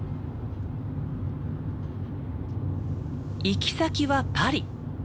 行き先はパリ。